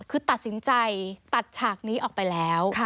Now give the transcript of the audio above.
คือตัดสินใจตัดฉากนี้ออกไปแล้ว